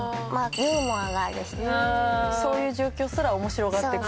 そういう状況すら面白がってくれる。